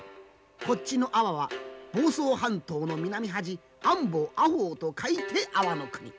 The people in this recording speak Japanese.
こっちの安房は房総半島の南端安房安房と書いて安房国。